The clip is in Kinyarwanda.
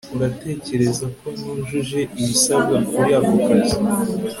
uratekereza ko nujuje ibisabwa kuri ako kazi